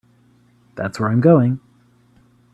That's where I'm going.